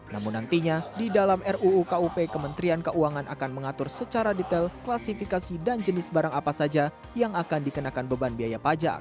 namun nantinya di dalam ruu kup kementerian keuangan akan mengatur secara detail klasifikasi dan jenis barang apa saja yang akan dikenakan beban biaya pajak